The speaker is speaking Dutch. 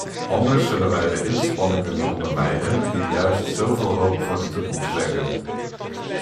Anders zullen wij de inspanningen ondermijnen die juist zoveel hoop voor de toekomst wekken.